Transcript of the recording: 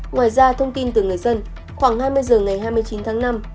ngoài ra thông tin từ người dân khoảng hai mươi h ngày hai mươi chín tháng năm